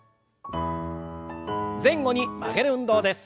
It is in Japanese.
前後に曲げる運動です。